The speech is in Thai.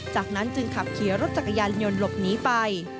จากนั้นจึงขับขี่รถจักรยานยนต์หลบหนีไป